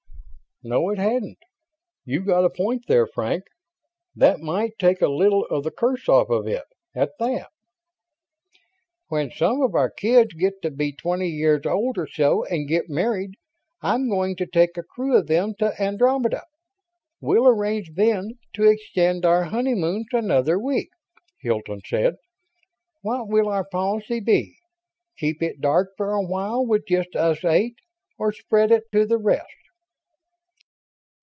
"No, it hadn't. You've got a point there, Frank. That might take a little of the curse off of it, at that." "When some of our kids get to be twenty years old or so and get married, I'm going to take a crew of them to Andromeda. We'll arrange, then, to extend our honeymoons another week," Hilton said. "What will our policy be? Keep it dark for a while with just us eight, or spread it to the rest?"